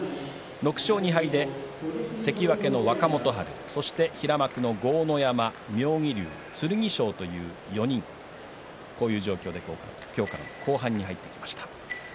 ６勝２敗で関脇の若元春そして平幕の豪ノ山、妙義龍、剣翔という４人こういう状況で今日から後半戦です。